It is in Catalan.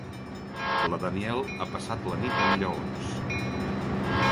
La Danielle ha passat la nit amb lleons.